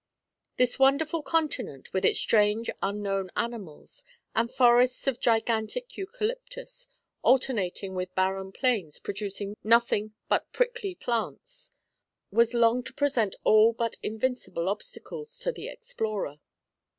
This wonderful continent, with its strange unknown animals, and forests of gigantic eucalyptus, alternating with barren plains producing nothing but prickly plants, was long to present all but invincible obstacles to the explorer.